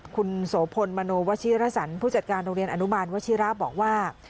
คุณโสพลมโนวชิรสันผู้จัดการโรงเรียนอนุมานวชิระบอกว่า